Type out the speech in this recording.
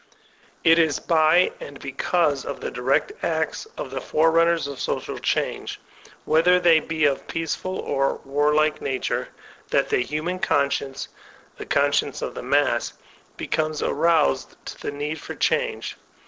It is by and because of the direct acts of the fore runners of social change, whether they be of peaceful Direct Action 231 or warlike nature, that the Human Conscience^ the con science of the mass, becomes aroused to the need for change.